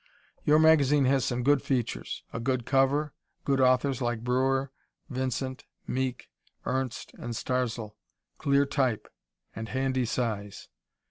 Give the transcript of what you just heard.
Your magazine has some good features: a good cover; good authors like Breuer, Vincent, Meek, Ernst and Starzl; clear type; and handy size.